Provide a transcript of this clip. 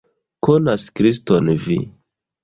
Konas Kriston vi!